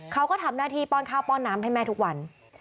เขาก็ทำหน้าที่ป้อนข้าวป้อนน้ำให้แม่ทุกวัน